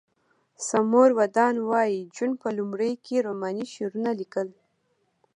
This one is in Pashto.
سمور ودان وایی جون په لومړیو کې رومانوي شعرونه لیکل